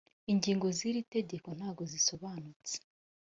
ingingo ziri tegeko ntago zisobanutse